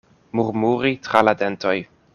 Murmuri tra la dentoj.